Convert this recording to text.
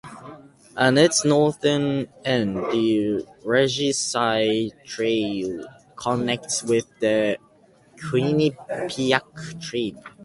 At its northern end, the Regicides Trail connects with the Quinnipiac Trail.